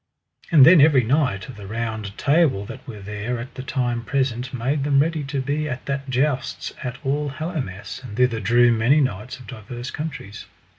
And then every knight of the Round Table that were there at that time present made them ready to be at that jousts at All Hallowmass, and thither drew many knights of divers countries.